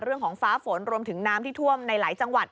เรื่องของฟ้าฝนรวมถึงน้ำที่ท่วมในหลายจังหวัด